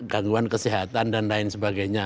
gangguan kesehatan dan lain sebagainya